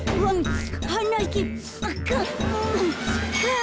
あ！